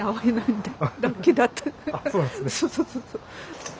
そうそうそうそう。